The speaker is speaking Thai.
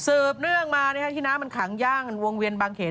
เนื่องมาที่น้ำมันขังย่างวงเวียนบางเขน